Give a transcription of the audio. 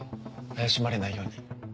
怪しまれないように。